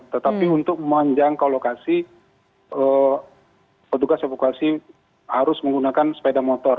tetapi untuk menjangkau lokasi petugas evakuasi harus menggunakan sepeda motor